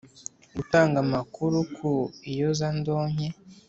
gutanga amakuru ku iyezandonke